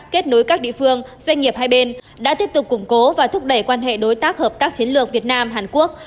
kết nối các địa phương doanh nghiệp hai bên đã tiếp tục củng cố và thúc đẩy quan hệ đối tác hợp tác chiến lược việt nam hàn quốc